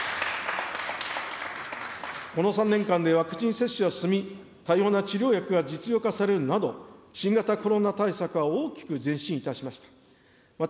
この３年間でワクチン接種は進み、多様な治療薬が実用化されるなど、新型コロナ対策は大きく前進いたしました。